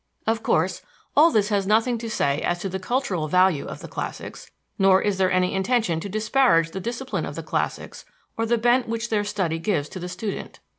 Of course, all this has nothing to say as to the cultural value of the classics, nor is there any intention to disparage the discipline of the classics or the bent which their study gives to the student.